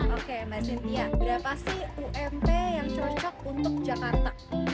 oke mbak cynthia berapa sih ump yang cocok untuk jakarta